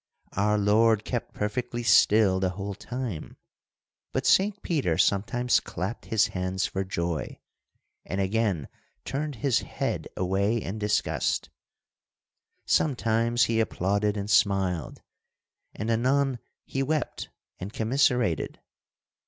Our Lord kept perfectly still the whole time, but Saint Peter sometimes clapped his hands for joy, and again turned his head away in disgust. Sometimes he applauded and smiled, and anon he wept and commiserated.